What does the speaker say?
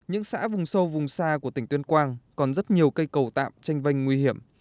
những xã vùng sâu vùng xa của tỉnh tuyên quang còn rất nhiều cây cầu tạm tranh vanh nguy hiểm